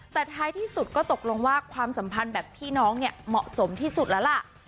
แต่ท้ายที่สุดก็ตกลงว่าความสัมพันธ์แบบพี่น้องเนี่ยเหมาะสมที่สุดแล้วล่ะ